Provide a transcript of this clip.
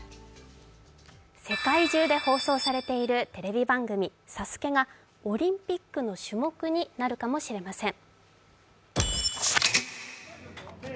世界中で放送されているテレビ番組「ＳＡＳＵＫＥ」がオリンピックの種目になるかもしれません。